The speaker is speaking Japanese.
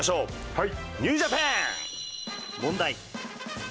はい。